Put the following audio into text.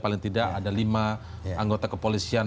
paling tidak ada lima anggota kepolisian